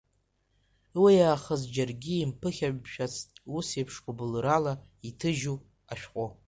Уиаахыс џьаргьы имԥыхьамшәацт усеиԥш гәыбылрала иҭыжьу ашәҟәы.